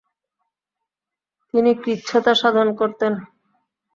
তিনি কৃচ্ছ্রতা সাধন করতেন।